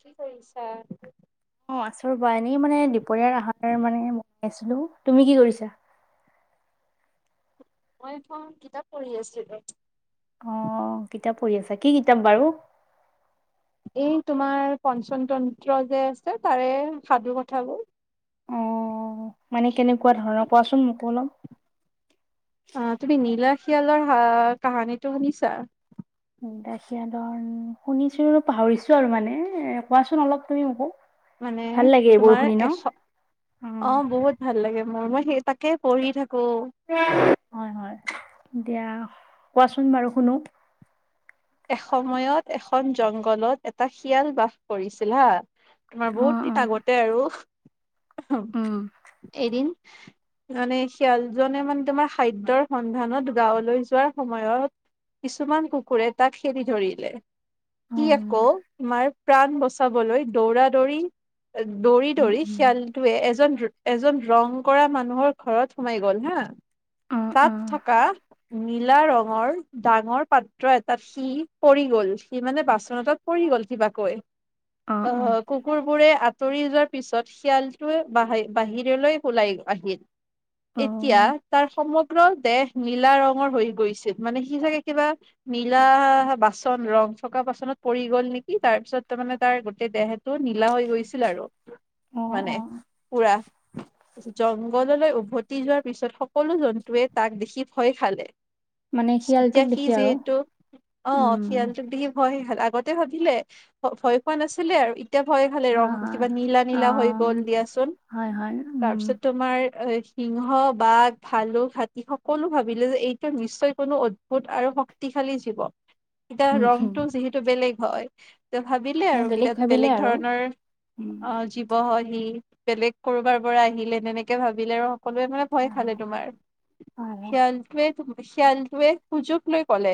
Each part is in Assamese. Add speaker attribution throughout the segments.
Speaker 1: কি কৰিছা
Speaker 2: অ আচৰ পৰা এনেই মানে দুপৰীয়াৰ আহাৰ মানে মই [unintelligible] আছিলো তুমি কি কৰিছা
Speaker 1: মইত কিতাপ পঢ়ি আছিলো
Speaker 2: অ কিতাপ পঢ়ি আছা কি কিতাপ বাৰু
Speaker 1: এই তোমাৰ পঞ্চনতন্ত্ৰ যে আছে তাৰে সাধু কথাবোৰ
Speaker 2: অ মানে কেনেকুৱা ধৰণৰ কোৱাচোন মোকো অলপ
Speaker 1: আহ তুমি নীলা শিয়ালৰ হ কাহানীটো শুনিছা
Speaker 2: নিলা শিয়ালৰ ধৰ শুনিছো পাহৰিছো আৰু মানে এ কোৱাচোন অলপ তুমি মোকো [unintelligible]
Speaker 1: মানে
Speaker 2: ভাল লাগে এইবোৰ
Speaker 1: তোমাৰ
Speaker 2: শুনি ন
Speaker 1: এশ অ বহুত ভাল লাগে মই সেই তাকে পঢ়ি থাকো।
Speaker 2: হয় হয় দিয়া কোৱাচোন বাৰু শুনো
Speaker 1: এসময়ত এখন জংঘলত এটা শিয়াল বাস কৰিছিল হা তোমাৰ
Speaker 2: অ
Speaker 1: বহুত
Speaker 2: অ
Speaker 1: দিন আগতে আৰু
Speaker 2: উম
Speaker 1: এদিন মানে শিয়ালজনে মানে তোমাৰ খাদ্যয়ৰ সন্ধানত গাঁৱলৈ যোৱাৰ সময়ত কিছুমান কুকুৰে তাক খেদি ধৰিলে কি
Speaker 2: উম
Speaker 1: আকৌ তোমাৰ প্ৰাণ বচাবলৈ দৌৰা দৌৰি দৌৰি
Speaker 2: উম
Speaker 1: দৌৰি
Speaker 2: উম
Speaker 1: শিয়ালটোৱে এজন এজন ৰং কৰা মানুহৰ ঘৰত সোমাই গ'ল হা
Speaker 2: অ অ
Speaker 1: তাত থকা নীলা ৰঙৰ ডাঙৰ পাত্ৰ এটাত সি পৰি গ'ল সি মানে বাচন এটাত পৰি গল গল কিবাকৈ
Speaker 2: অ
Speaker 1: অহ কুকুৰ বোৰে আঁতৰি যোৱাৰ পিছত শিয়ালটোৱে বাহ বাহিৰলৈ ওলাই আহিল।
Speaker 2: অ অ
Speaker 1: এতিয়া তাৰ সমগ্ৰ দেশ নীলা ৰঙৰ হৈ গৈছিল মানে সি চাগে কিবা নীলা বাচন ৰং থকা বাচনত পৰি গ'ল নেকি তাৰ পিছত তাৰ মানে তাৰ গোটেই দেহটো নীলা হৈ গৈছিল আৰু
Speaker 2: অ
Speaker 1: মানে
Speaker 2: অ
Speaker 1: পুৰা জংঘললৈ উভতি যোৱাৰ পিছত স সকলো জন্তুৱে তাক দেখি ভয় খালে
Speaker 2: মানে শিয়ালটোক
Speaker 1: এতিয়া সি
Speaker 2: দেখি আৰু
Speaker 1: যিহেতু অ
Speaker 2: উম
Speaker 1: শিয়ালটোক দেখি ভয় আগতে ভাবিলে ভয় খোৱা নাছিলে আৰু এতিয়া ভয় খালে ৰং
Speaker 2: হয় হয়
Speaker 1: কিবা নীলা
Speaker 2: অ
Speaker 1: নীলা হৈ গল দিয়াচোন
Speaker 2: হয় হয় উম
Speaker 1: তাৰপিছত তোমাৰ এ সিংহ বাঘ ভালোক হাতী সকলো ভাবিলে যে এইটো নিশ্চয় কোনো অদ্ভুত আৰু শক্তিশালী জীৱ এতিয়া
Speaker 2: উম হম
Speaker 1: ৰংটো যিহেতু বেলেগ হয় ভাবিলে
Speaker 2: মই
Speaker 1: আৰু বিৰাট
Speaker 2: ভাবিলে
Speaker 1: বেলেগ
Speaker 2: আৰু
Speaker 1: ধৰণৰ
Speaker 2: উম
Speaker 1: অ জীৱ হয় আহ বেলেগ কৰবাৰ পৰা আহিলে সেনেকে ভাবিলে আৰু সকলোৱে মানে ভয় খালে তোমাৰ
Speaker 2: হয়
Speaker 1: শিয়াল তোৱে শিয়ালটোৱে সুযোগ লৈ কলে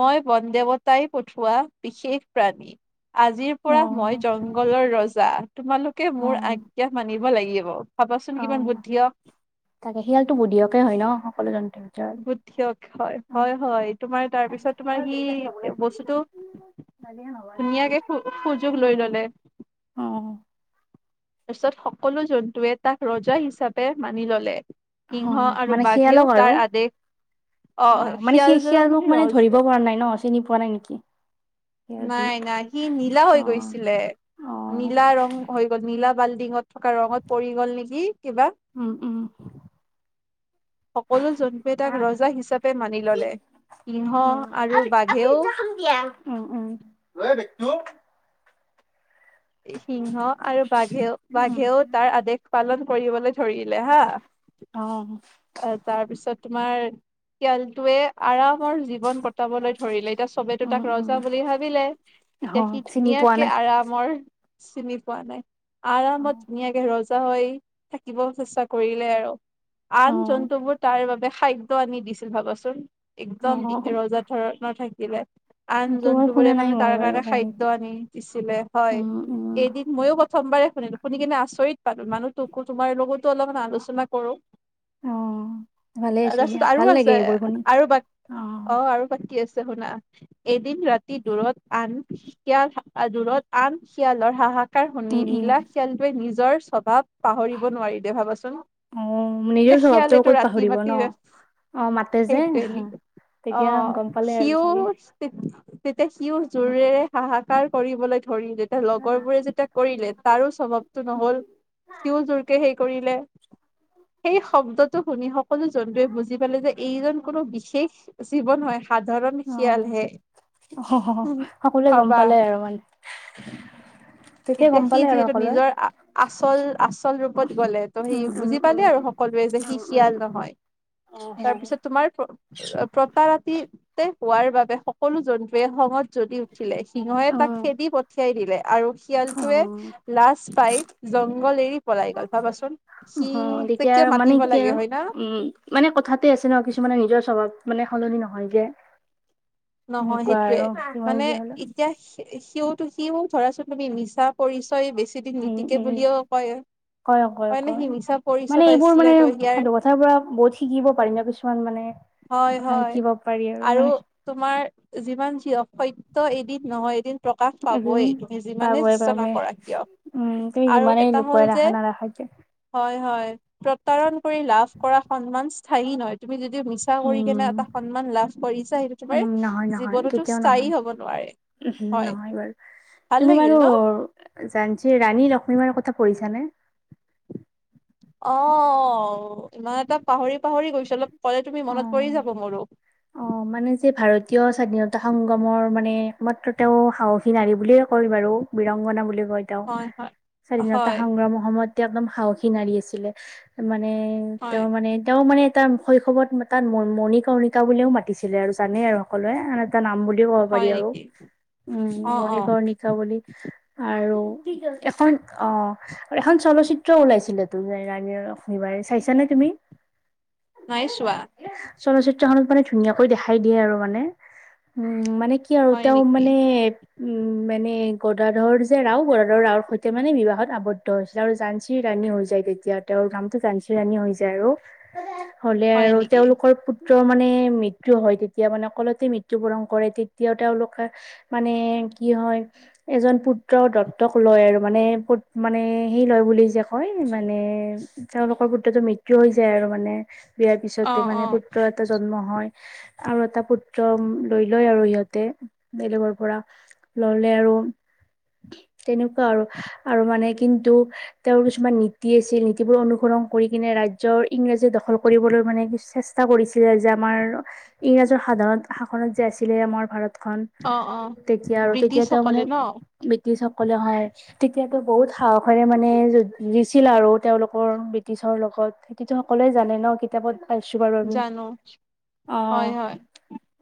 Speaker 1: মই বন দেৱতাই পঠোৱো বিশেষ প্ৰাণী আজিৰ
Speaker 2: অ
Speaker 1: পৰা মই জংঘলৰ ৰজা তোমালোকে
Speaker 2: অ
Speaker 1: মোৰ আজ্ঞা মানিব লাগিব ভাবাচোন কিমান বুদ্ধিয়ক
Speaker 2: ত বুধিয়কে হয় ন সকলো জন্তু
Speaker 1: বুদ্ধিয়ক হয় হয় হয় তোমাৰ তাৰপিছত তোমাৰ সি বস্তুতটো
Speaker 2: নদ নবা
Speaker 1: লৈ
Speaker 2: উম [inaudible]
Speaker 1: ললে তাৰপিছত সকলো জন্তুৱে তাক ৰজা হিচাপে মানি ললে
Speaker 2: অ
Speaker 1: সিংহ আৰু
Speaker 2: মানে
Speaker 1: বাঘেও
Speaker 2: শিয়ালক আৰু
Speaker 1: তাৰ আদেশ আহ
Speaker 2: অ মানে সি
Speaker 1: শিয়ালজনক
Speaker 2: সিয়াক মানে
Speaker 1: ৰজ
Speaker 2: ধৰিব পৰা নাই ন চিনি পোৱা নাই নেকি শিয়াল বুলি
Speaker 1: নাই নাই সি নীলা হৈ
Speaker 2: অ
Speaker 1: গৈছিলে
Speaker 2: অ
Speaker 1: নীলা ৰং হৈ গল নীলা বাল্ডিঙত থকা ৰঙত পৰি গ'ল নেকি কিবা
Speaker 2: উম উম
Speaker 1: সকলো জন্তুয়ে টাক ৰজা হিচাপে মানি ললে সিংহ
Speaker 2: উ
Speaker 1: আৰু
Speaker 2: আ দ
Speaker 1: বাঘেও
Speaker 2: উ উ [unintelligible]
Speaker 1: সিংহ আৰু বাঘেও
Speaker 2: উম
Speaker 1: বাঘেও তাৰ আদেশ পালন কৰিবলৈ ধৰিলে হা
Speaker 2: অ',
Speaker 1: তাৰপিছত তোমাৰ শিয়ালটোৱে আৰামৰ জীৱন কটাবলৈ ধৰিলে এতিয়া চবেতটো
Speaker 2: উম,
Speaker 1: তাক
Speaker 2: উম,
Speaker 1: ৰজা বুলি ভাবিলে এতিয়া
Speaker 2: অ',
Speaker 1: সি
Speaker 2: চিনি পোৱা নাই।
Speaker 1: ধুনীয়াকে আৰামৰ চিনি পোৱা নাই
Speaker 2: অ',
Speaker 1: আৰামত ধুনীয়াকে ৰজা হৈ থাকিব চেষ্টা কৰিলে আৰু আন
Speaker 2: অ',
Speaker 1: জন্তুবোৰ তাৰ বাবে খাদ্য আনি দিছিল ভাবচোন একদম
Speaker 2: অ',
Speaker 1: ৰজা ধৰণৰ থাকিলে আন
Speaker 2: তোমাৰ
Speaker 1: জন্তু
Speaker 2: শুনা
Speaker 1: বোৰে
Speaker 2: নাই
Speaker 1: মানে
Speaker 2: মই
Speaker 1: তাৰ
Speaker 2: বাৰু
Speaker 1: কাৰণে
Speaker 2: কাহিনীটো।
Speaker 1: খাদ্য আনি দিছিলে হয়
Speaker 2: উম, উম,
Speaker 1: এদিন ময়ো প্ৰথমবাৰে শুনো শুনি কিনে আচৰিত পালো মানুহ তোকো তোমাৰ লগতো অলপমান আলোচনা কৰো
Speaker 2: অ', ভালে
Speaker 1: [inaudible]
Speaker 2: হৈছে দিয়া,
Speaker 1: তাৰপিছত
Speaker 2: ভাল
Speaker 1: আৰু
Speaker 2: লাগে
Speaker 1: আছে
Speaker 2: এইবোৰ শুনি।
Speaker 1: আৰু বাক অ আৰু বাকী আছে শলা এদিন ৰাতি দূৰত আন কেয়া থাকা দূৰত আন শিয়ালৰ হাহাকাৰ শুনি
Speaker 2: উম, উম,
Speaker 1: নীলা শিয়ালটোৱে নিজৰ স্বভাৱ পাহৰিব নোৱাৰি দে ভাবাচোন
Speaker 2: অ', নিজৰ
Speaker 1: এতিয়া
Speaker 2: স্বভাৱটো
Speaker 1: শিয়ালেটো
Speaker 2: ক'ত
Speaker 1: ৰাতি
Speaker 2: পাহৰিব
Speaker 1: মাতি
Speaker 2: ন? অ', মাতে যে
Speaker 1: সেইটোয়ে নেকি অ
Speaker 2: তেতিয়া গম পালে আৰু
Speaker 1: সিও
Speaker 2: চাগে।
Speaker 1: তেতিয়া সিও
Speaker 2: অ',
Speaker 1: জোৰেৰে হাহাকাৰ কৰিবলৈ ধৰিলে লগৰ বোৰে যেতিয়া কৰিলে তাৰো স্বভাৱটো নহল সিও জোৰকে সেই কৰিলে সেই শব্দটো শুনি সকলো জন্তুৱে বুজি পালে যে এইজন কোনো বিশেষ জীৱ নহয় সাধাৰণ শিয়ালহে
Speaker 2: অ অ সকলোৱে গম
Speaker 1: ভাবা
Speaker 2: পালে আৰু মানে [inaudible]
Speaker 1: তেতিয়া
Speaker 2: গম
Speaker 1: সি
Speaker 2: পালে আৰু
Speaker 1: যিহেতু
Speaker 2: সকলোৱে।
Speaker 1: নিজৰ আচল আচল ৰূপত গলে ত' সি
Speaker 2: উম, উম,
Speaker 1: বুজি
Speaker 2: উম,
Speaker 1: পালে আৰু স কলোৱে যে সি
Speaker 2: উম, উম,
Speaker 1: শিয়াল নহয় তাৰ
Speaker 2: উম,
Speaker 1: পিছত তোমাৰ প্ৰতাৰ হোৱাৰ বাবে সকলো জন্তুৱে খঙত জ্বলি উঠিলে। সিংহে
Speaker 2: অ', অ',
Speaker 1: তাক খেদি পঠিয়াই দিলে আৰু শিয়ালটোৱে
Speaker 2: অ'।
Speaker 1: লাজ পাই জংঘল এৰি পলাই গল ভাবাচোন সি
Speaker 2: হয় তেতিয়া
Speaker 1: কিয়
Speaker 2: মানে
Speaker 1: মাতিব
Speaker 2: কি
Speaker 1: লাগে হয় না?
Speaker 2: উম মানে কথাতে আছে ন কিছুমানে নিজৰ স্বভাৱ মানে সলনি নহয় যে।
Speaker 1: নহয়
Speaker 2: তেনেকুৱা
Speaker 1: সেইটোয়ে,
Speaker 2: আৰু কিমান
Speaker 1: মানে
Speaker 2: যি হলেও
Speaker 1: এতিয়া সিওটো সিও ধৰাচোন তুমি মিছা পৰিচয় বেছি দিন
Speaker 2: উম
Speaker 1: নীতিকে
Speaker 2: উম
Speaker 1: বুলিও কয়।
Speaker 2: কয় কয়
Speaker 1: হয় নে সি
Speaker 2: কয়,
Speaker 1: মিছা পৰিচয়ত
Speaker 2: মানে এইবোৰ
Speaker 1: আছিলে
Speaker 2: মানে
Speaker 1: ত' ইয়াৰ
Speaker 2: সেইটো কথাৰ পৰা বহুত শিকিব পাৰিম ন কিছুমান মানে।
Speaker 1: হয়
Speaker 2: কথা
Speaker 1: হয়,
Speaker 2: শিকিব পাৰি
Speaker 1: আৰু
Speaker 2: মানে
Speaker 1: তোমাৰ যিমান যি অসত্য এদিন ন
Speaker 2: এদিন পাবই
Speaker 1: চেষ্টা
Speaker 2: পাবই।
Speaker 1: নকৰা কিয়
Speaker 2: উম তুমি
Speaker 1: আৰু
Speaker 2: যিমানেই
Speaker 1: এটা হ'ল
Speaker 2: লুকুৱাই
Speaker 1: যে
Speaker 2: ৰখা নাৰাখা কিয়
Speaker 1: হয় হয় প্ৰতাৰণ কৰি লাভ কৰা সন্মান স্থায়ী নহয় তুমি যদি মিচা কৰি কেনে
Speaker 2: উম
Speaker 1: এটা সন্মান লাভ কৰিছা সেইটো
Speaker 2: উম
Speaker 1: তোমাৰ
Speaker 2: নহয়
Speaker 1: জীৱনতো স্থায়ী হব নোৱাৰে।
Speaker 2: উম
Speaker 1: হয়
Speaker 2: নহয় বাৰু,
Speaker 1: ভাল
Speaker 2: তুমি বাৰু
Speaker 1: লাগিল ন
Speaker 2: জাঞ্চী ৰাণী লক্ষ্মী মাৰৰ কথা পঢ়িছানে?
Speaker 1: অ ইমান এটা পাহৰি পাহৰি গৈছো অলপ কলে তুমি মনত পৰি
Speaker 2: অ
Speaker 1: যাব মোৰো।
Speaker 2: অ মানে যে ভাৰতীয় স্বাধীনতা সংগমৰ মানে মাত্ৰ তেওঁ সাহসী নাৰী বুলিয়ে কয় বাৰু বিৰংগনা বুলি কয় তেওঁ,
Speaker 1: হয় হয়
Speaker 2: স্বাধীনতা
Speaker 1: হয়
Speaker 2: সংগ্ৰামৰ সময়ত এ একদম সাহসী নাৰী আছিলে, মানে
Speaker 1: হয়
Speaker 2: তেওঁ মানে তেওঁ মানে এটা শৈশৱত তাত মণিকা মণিকা বুলিও মাতিছিলে আৰু জানেই আৰু সকলোৱে আন এটা নাম বুলি। ক'ব পাৰি
Speaker 1: হয়
Speaker 2: আৰু,
Speaker 1: নেকি
Speaker 2: উম
Speaker 1: অ অ
Speaker 2: মণিকৰ নিকা বুলি আৰু এখন অ এখন চলচিত্ৰ ওলাইছিল তো ৰানীৰ লক্ষ্মী বাইৰ। চাইছ নে তুমি?
Speaker 1: নাইছোৱা।
Speaker 2: তখনত মানে ধুনীয়াকৈ দেখাই দিয়ে আৰু মানে, উম মানে কি আৰু
Speaker 1: হয়
Speaker 2: তেওঁ
Speaker 1: নেকি
Speaker 2: মানে উম মানে গদাধৰ যে ৰাও গদাধৰ ৰাওৰ সৈতে মানে বিবাহত আৱদ্ধ হৈছিলে আৰু জাঞ্চী ৰাণী হৈ যায়। তেতিয়া তেওঁৰ নামটো জাঞ্চী ৰাণী হৈ যায় আৰু। হ'লে
Speaker 1: হয়
Speaker 2: আৰু
Speaker 1: নেকি
Speaker 2: তেওঁলোকৰ পুত্ৰ মানে মৃত্যু হয় তেতিয়া মানে অলতে মৃত্যু বৰণ কৰে তেতিয়াও তেওঁলোকে মানে কি হয় এজন পুত্ৰ দত্তক লয় আৰু মানে পুত মানে সি লয় বুলি যে কয় মানে তেওঁলোকৰ পুত্ৰতো মৃত্যু হৈ যায় আৰু মানে বিয়াৰ
Speaker 1: অ
Speaker 2: পিছতে
Speaker 1: অ
Speaker 2: মানে পুত্ৰ এটা জন্ম হয়। আৰু এটা পুত্ৰ লৈ লয় আৰু সিহঁতে, বেলেগৰ পৰা। ললে আৰু। তেনেকুৱা আৰু আৰু মানে কিন্তু তেওঁৰ কিছুমান নীতি আছিল নীতি বোৰ অনুসৰণ কৰি কিনে ৰাজ্যৰ ইংৰাজী দখল কৰিবলৈ মানে কিছু চেষ্টা কৰিছিলে যে আমাৰ ইংৰাজৰ সাধাৰণ শাসনত যে আছিলে আমাৰ ভাৰত খন
Speaker 1: অ অ
Speaker 2: তেতিয়া আৰু তেতিয়া তেওঁ
Speaker 1: ব্ৰিটিছসকলে
Speaker 2: মানে
Speaker 1: ন
Speaker 2: ব্ৰিটিছ সকলে হয় তেতিয়াটো বহুত সাহসেৰে মানে দিছিল আৰু তেওঁলোকৰ ব্ৰিটিছ ৰ লগত সেইটোতো সকলোৱে জানে ন কিতাপত পাইছো বাৰু আমি।
Speaker 1: জানো
Speaker 2: অ
Speaker 1: হয় হয়।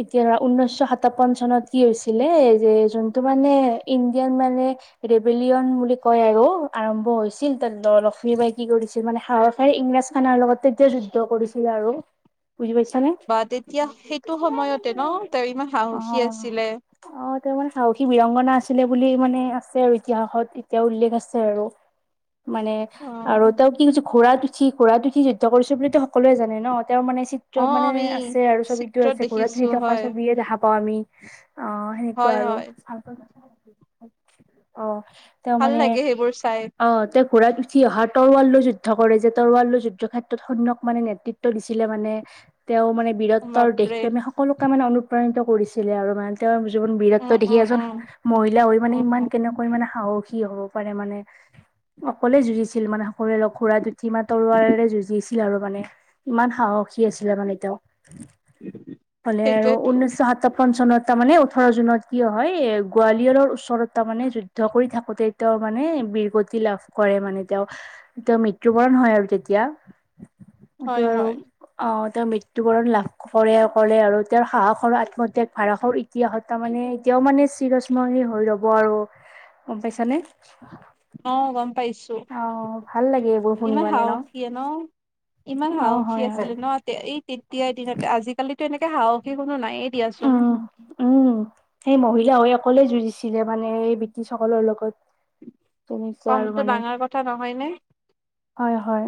Speaker 2: এতিয়া ঊনৈছশ সাতাৱন্ন চনত কি হৈছিলে যে যোনটো মানে ইণ্ডিয়ান মানে। ৰেবেলিয়ন বুলি কয় আৰু আৰম্ভ হৈছিল তাত লক্ষ্মী বাই কি কৰিছিল মানে স। ইমৰাজ খানাৰ লগত তেতিয়া যুদ্ধ কৰিছিল আৰু, বুজি পাইছা নে।
Speaker 1: বা
Speaker 2: অ, অ।
Speaker 1: তেতিয়া সেইটো সময়তে ন তেওঁ ইমান সাহসী আছিলে
Speaker 2: [unintelligible] মানে সাহসী বিৰঙংগনা আছিলে বুলি মানে আছে আৰু, ইতিহাসত এতিয়া উল্লেখ আছে আৰু।
Speaker 1: [unintelligible] [inaudible]
Speaker 2: মানে
Speaker 1: অ
Speaker 2: আৰু তেওঁ কি কছ ঘোঁৰাত উঠি ঘোঁৰাত উঠি যুদ্ধ কৰিছো বুলিো সকলোৱে জানে ন। [unintelligible] তেওঁ মানে চিত্ৰ
Speaker 1: অ
Speaker 2: মানে
Speaker 1: আমি
Speaker 2: আছে আৰু ছবিটো
Speaker 1: চিত্ৰত
Speaker 2: আছে ঘূৰাত
Speaker 1: দেখিছো
Speaker 2: শুই থকা
Speaker 1: হয়
Speaker 2: ছবিয়ে দেখা। [unintelligible] ওঁ আমি অ সেনেকুৱা
Speaker 1: হয়
Speaker 2: আৰু
Speaker 1: হয়
Speaker 2: ভাল অ। তেওঁ
Speaker 1: ভাল
Speaker 2: মানে
Speaker 1: লাগে সেইবোৰ চাই
Speaker 2: অ তেওঁ। ঘোঁৰাত উঠি অহা তৰৱাললৈ যুদ্ধ কৰে যে তৰুৱাললৈ যুদ্ধ ক্ষেত্ৰত সৈন্যক মানে নেতৃত্ব দিছিলে মানে। [unintelligible] তেওঁ মানে বীৰত্বৰ দেশ
Speaker 1: বাপৰে
Speaker 2: প্ৰ্ৰেমে সকলোকে মানে অনুপ্ৰাণিত কৰিছিলে আৰু মানে তেওঁৰ। জীৱন বীৰত্ব
Speaker 1: উম
Speaker 2: দেখি
Speaker 1: উম
Speaker 2: এজন
Speaker 1: উম
Speaker 2: মহিলা হৈ মানে
Speaker 1: উম
Speaker 2: ইমান
Speaker 1: উম
Speaker 2: কেনেকৈ মানে সাহস খী হ'ব পাৰে মানে। অকলে যুঁজিছিল মানে [unintelligible] সকলোৱে ল খুৰাত [unintelligible] উঠি ইমা তৰুৱাৰৰে যুঁজিছিল আৰু মানে ইমান সাহসী আছিলে মানে তেওঁ। ভালে আৰু
Speaker 1: সেইটোয়েতো
Speaker 2: উন্নৈছশ সা পঞ্চনত তা মানে ওঠৰ জুনত কিয় হয় এ গোৱালিয়ৰৰ ওচৰত তাৰ মানে যুদ্ধ কৰি থাকোতে তেওঁ [unintelligible] মানে বিৰগতি লাভ কৰে মানে তেওঁ। তেওঁ মৃত্যুবৰণ হয় আৰু তেতিয়া। এইটো
Speaker 1: হয়
Speaker 2: আৰু
Speaker 1: হয়
Speaker 2: অ তেওঁৰ মৃত্যু। বৰণ লাভ কৰে কৰে আৰু তেওঁৰ সাহসৰ আত্মত্যাগ ভাৰষৰ ইতিহাসত তাৰমানে এতিয়াও মানে। [unintelligible] চিৰ স্মৰণীয় হৈ ৰ'ব আৰু গম পাইছানে?
Speaker 1: অ গম পাইছো।
Speaker 2: অ ভাল লাগে এইবোৰ শুনি
Speaker 1: ইমান
Speaker 2: মানে
Speaker 1: সাহসী ন। ইমান
Speaker 2: অ
Speaker 1: সাহসী
Speaker 2: হয় হয়
Speaker 1: আছিলে ন এই তেতিয়াই দিনতে আজিকালিতো এনেকে সাহসী কোনো নাইয়েই দিয়াচোন।
Speaker 2: উম সকলোৱে যুঁজিছিলে মানে এই বিটিছ সকলৰ লগত। তুমি চোৱা আৰু
Speaker 1: কমটো
Speaker 2: মানে
Speaker 1: ডাঙৰ কথা নহয় নে
Speaker 2: হয় হয়।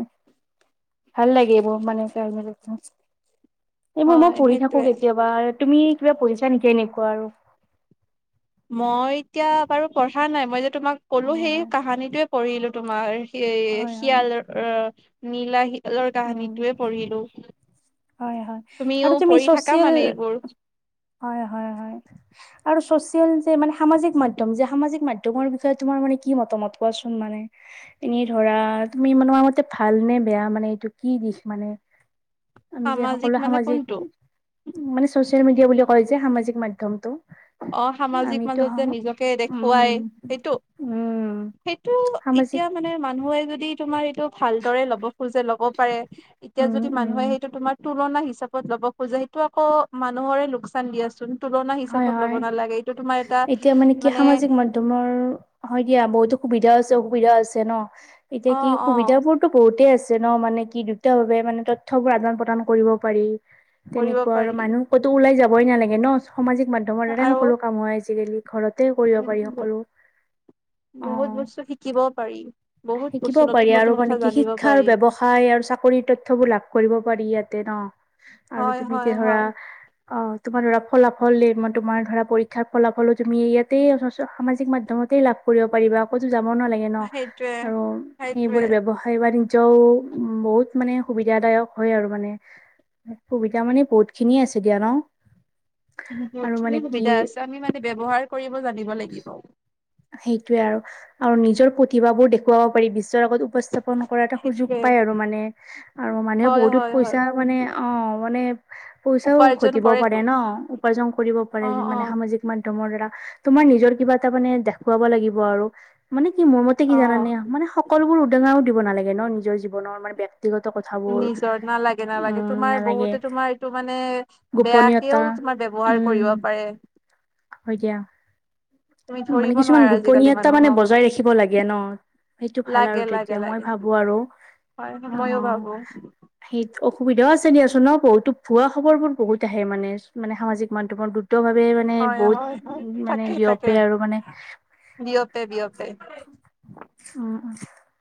Speaker 2: ভাল লাগে এইবোৰ মানে। এইবোৰ মই
Speaker 1: হয়
Speaker 2: পঢ়ি থাকো
Speaker 1: সেইটোয়ে
Speaker 2: কেতিয়াবা। তুমি কিবা পহিচা নেকি এনেকুৱা আৰু?
Speaker 1: মই এতিয়া বাৰু পঢ়া নাই। মই যে তোমাক কলো সেই কাহানীটোৱে পঢ়িলো তোমাৰ। [unintelligible] এ
Speaker 2: হয় হয়
Speaker 1: শিয়ালৰ নীলা শিয়ালৰ
Speaker 2: উম
Speaker 1: কাহিনীটোৱে পঢ়িলো।
Speaker 2: হয় হয়
Speaker 1: তুমিও
Speaker 2: আৰু তুমি
Speaker 1: পঢ়ি থাকা
Speaker 2: ছচিয়েল
Speaker 1: মানে এইবোৰ।
Speaker 2: হয় হয় হয় আৰু ছচিয়েল যে মানে সামাজিক মাধ্যম যে, সামাজিক মাধ্যমৰ বিষয়ে তোমাৰ মানে কি মতামত কোৱা? [unintelligible] সোন মানে। এনেই ধৰা তুমি মানু্ আগত তে ভাল নে বেয়া মানে এইটো কি দিশ মানে? [unintelligible]
Speaker 1: [inaudible]
Speaker 2: আমি যে
Speaker 1: সামাজিক
Speaker 2: সকলে
Speaker 1: মানে
Speaker 2: সামাজিক
Speaker 1: কোনটো
Speaker 2: মানে চচিয়েল মেডিয়া বুলি কয় যে, সামাজিক মাধ্যমটো।
Speaker 1: অ সামাজিক
Speaker 2: আমিতো
Speaker 1: মাজত যে নিজকে দেখুৱাই
Speaker 2: উম
Speaker 1: সেইটো?
Speaker 2: উম
Speaker 1: সেইটো
Speaker 2: সামাজিক
Speaker 1: এতিয়া মানে মানুহে যদি তোমাৰ এইটো ভাল দৰে ল'ব খোজে ল'ব পাৰে। এতিয়া
Speaker 2: উম
Speaker 1: যদি
Speaker 2: উম
Speaker 1: মানুহে সেইটো তোমাৰ তুলনা হিচাপত ল'ব খোজে সেইটো আকৌ মানুহৰে লোকচান দিয়াচোন তুলনা হিচাপত। ল'ব
Speaker 2: মাৰ।
Speaker 1: নালাগে এইটো তোমাৰ এটা
Speaker 2: এতিয়া মানে কি সামাজিক মাধ্যমৰ হয় দিয়া। বহুতো সুবিধাও আছে অসুবিধা আছে ন। এতিয়া
Speaker 1: অ
Speaker 2: কি
Speaker 1: অ
Speaker 2: সুবিধা বোৰতো বহুতেই আছে। যেনেও মানে কি দুটাওভাৱে মানে তথ্য বোৰ আদান প্ৰদান কৰিব পাৰি। [unintelligible]
Speaker 1: কৰিব
Speaker 2: তেনেকুৱা আৰু
Speaker 1: পাৰি
Speaker 2: মানুহ ক'তো ওলাই যাবই নেলাগে ন। সামাজিক মাধ্যমৰ দ্বাৰাই
Speaker 1: আৰু
Speaker 2: সকলো কাম হয় আজিকালি। ঘৰতে কৰিব পাৰি সকলো। অ।
Speaker 1: বহুত বস্তু শিকিব পাৰি বহুত
Speaker 2: শিকিব
Speaker 1: বস্তু নতুন
Speaker 2: পাৰি
Speaker 1: নতুন
Speaker 2: আৰু
Speaker 1: কথা
Speaker 2: মানে কি
Speaker 1: জানিব
Speaker 2: শিক্ষা আৰু
Speaker 1: পাৰি
Speaker 2: ব্যৱসায় আৰু চাকৰি তথ্যবোৰ লাভ কৰিব পাৰি ইয়াত। তে ন আৰু
Speaker 1: হয়
Speaker 2: তুমি
Speaker 1: হয়
Speaker 2: এতিয়া ধৰা।
Speaker 1: হয়
Speaker 2: অ। তোমাৰ ধৰা ফলাফল দে তোমাৰ ধৰা পৰীক্ষাৰ ফলাফলো তুমি ইয়াতে সামাজিক মাধ্যমত তাতেই লাভ কৰিব পাৰিবা। কতো যাব নালাগে ন
Speaker 1: সেইটোৱে
Speaker 2: আৰু
Speaker 1: সেইটোৱে
Speaker 2: সেইবোৰে ব্যৱসায় বাণিজ ও উ বহুত মানে সুবিধাদায়ক হয় আৰু মানে। সুবিধা মানে বহুত খিনিয়ে আছে দিয়া ন। আৰু
Speaker 1: বহুতখিনি
Speaker 2: মানে কি
Speaker 1: সুবিধা আছে। আমি মানে ব্যৱহাৰ কৰিব জানিব লাগিব।
Speaker 2: সেইটোৱে আৰু। আৰু নিজৰ প্ৰতিভাবোৰ দেখুৱাব পাৰিবি। ৰ আগত উপস্থাপন কৰা এটা সুযোগ
Speaker 1: সেইটোৱে
Speaker 2: পায় আৰু মানে আৰু মানুহে
Speaker 1: হয় হয়
Speaker 2: বহুতোত
Speaker 1: হয়
Speaker 2: পইচা মানে অ। হবনে? পইচাও
Speaker 1: উপাৰ্জন
Speaker 2: ঘটিব
Speaker 1: কৰেতো
Speaker 2: পাৰে ন উপাৰ্জন কৰিব পাৰে
Speaker 1: অ অ
Speaker 2: মানে সামাজিক মাধ্যমৰ দ্বাৰা। তোমাৰ নিজৰ কিবা এটা মানে দেখুৱাব লাগিব আৰু মানে। কি মোৰ মতে কি
Speaker 1: অ
Speaker 2: জানা নে? মানে সকলোবোৰ উদঙাও দিব নালাগে ন, নিজৰ জীৱনৰ মানে বয়ক্ত।
Speaker 1: নিজৰ নালাগে নালাগে।
Speaker 2: উম
Speaker 1: তোমাৰ
Speaker 2: নালাগে
Speaker 1: বহুতে তোমাৰ এইটো মানে বেয়াকেও
Speaker 2: গোপনীয়তা
Speaker 1: তমাৰ ব্যৱহাৰ
Speaker 2: উম
Speaker 1: কৰিব পাৰে।
Speaker 2: হয় দিয়া।
Speaker 1: তুমি
Speaker 2: মানে
Speaker 1: ধৰিব
Speaker 2: কিছুমান
Speaker 1: নোৱাৰা আজিকালি
Speaker 2: গোপনীয়তা মানে
Speaker 1: মানুহক
Speaker 2: বজাই ৰাখিব লাগে ন। সেইটো ভাল
Speaker 1: লাগে
Speaker 2: আৰু
Speaker 1: লাগে
Speaker 2: তেতিয়া মই
Speaker 1: লাগে
Speaker 2: ভাবো আৰু
Speaker 1: হয়
Speaker 2: অ
Speaker 1: ময়ো ভাবো
Speaker 2: সেই সুবিধাও আছে দিয়াচোন ন বহুতো ভুৱা খবৰবোৰ বহুত আহে মানে মানে সামাজিক মাধ্যমৰ ভাৱে মানে বহুত উ মানে বিয়প
Speaker 1: বিঅপে বিঅপে।
Speaker 2: উম।